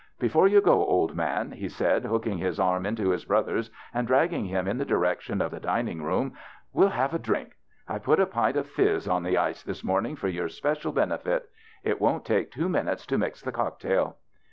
" Before you go, old man," he said, liooking liis arm into liis brother's, and dragging him in the direction of the dining room, " we'll have a drink. I put a pint of fizz on the ice this morning for your special benefit. It won't take two minutes to mix the cock tail."